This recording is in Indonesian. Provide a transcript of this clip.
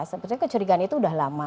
sepertinya kecurigaan itu udah lama